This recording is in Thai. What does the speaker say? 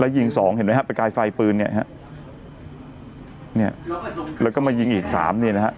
ยิงสองเห็นไหมฮะประกายไฟปืนเนี่ยฮะเนี่ยแล้วก็มายิงอีกสามเนี่ยนะฮะ